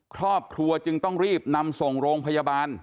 ครอบครัวจึงต้องรีบนำส่งโรงพยาบาล